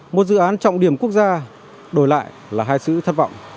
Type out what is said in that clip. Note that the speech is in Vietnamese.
một dự án trọng điểm quốc gia đổi lại là hai sự thất vọng